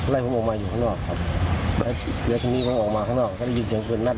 แล้วมันก็วิ่งไป